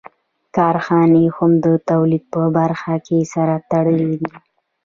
کارخانې هم د تولید په برخه کې سره تړلې دي